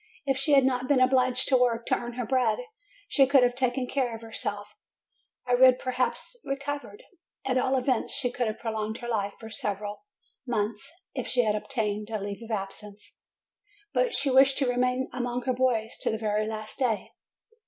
If she had not been obliged to work to earn her bread, she could have taken care of herself, arid perhaps recovered. At all events, she could have prolonged her life for several MY DEAD SCHOOLMISTRESS 327 months, if she had obtained a leave of absence. But she wished to remain among her boys to the very last day.